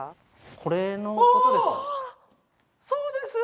これのことですか？